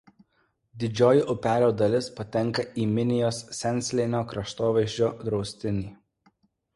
Didžioji upelio dalis patenka į Minijos senslėnio kraštovaizdžio draustinį.